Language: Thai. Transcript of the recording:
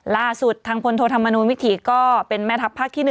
ล่าสุดทางพลโทธรรมนูลวิถีก็เป็นแม่ทัพภาคที่๑